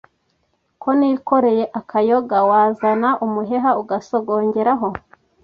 ko nikoreye akayoga wazana umuheha ugasogongeraho